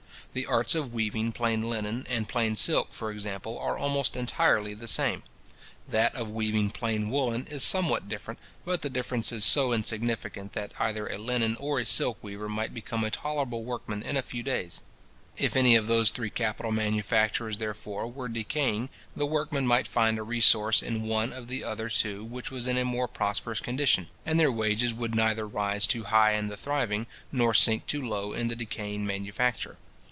The arts of weaving plain linen and plain silk, for example, are almost entirely the same. That of weaving plain woollen is somewhat different; but the difference is so insignificant, that either a linen or a silk weaver might become a tolerable workman in a very few days. If any of those three capital manufactures, therefore, were decaying, the workmen might find a resource in one of the other two which was in a more prosperous condition; and their wages would neither rise too high in the thriving, nor sink too low in the decaying manufacture.